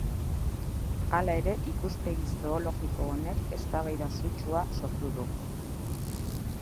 Hala ere ikuspegi zoologiko honek eztabaida sutsua sortu du.